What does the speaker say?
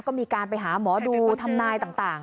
ก็มีการไปหาหมอดูทำนายต่าง